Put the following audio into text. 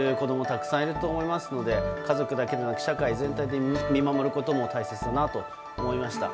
たくさんいると思いますので家族だけではなく社会全体で見守ることも大切だなと思いました。